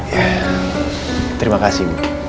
ya terima kasih bu